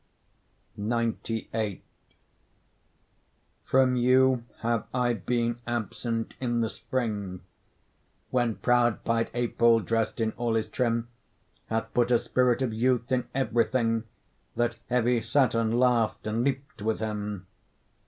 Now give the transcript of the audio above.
XCVIII From you have I been absent in the spring, When proud pied April, dress'd in all his trim, Hath put a spirit of youth in every thing, That heavy Saturn laugh'd and leap'd with him.